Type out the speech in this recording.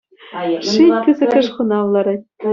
Шит пысӑкӑш хунав ларать.